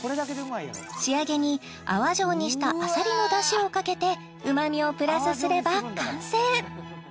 仕上げに泡状にしたアサリの出汁をかけてうまみをプラスすれば完成